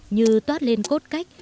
như toát lên cốt cách